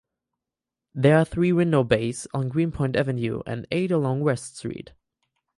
There are three window bays on Greenpoint Avenue and eight along West Street.